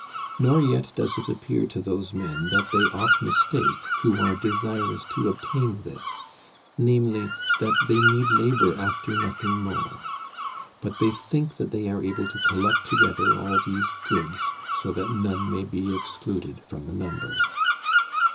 Nor yet does it appear to those men that they aught mistake who are desirous to obtain this, namely, that they need labor after nothing more. But they think that they are able to collect together all these goods, so that none may be excluded from the number....